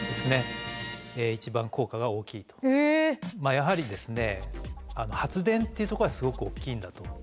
やはり発電っていうところがすごく大きいんだと。